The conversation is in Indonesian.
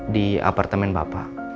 di apartemen bapak